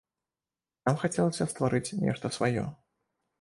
Нам хацелася стварыць нешта сваё.